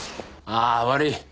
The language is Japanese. ああ悪い。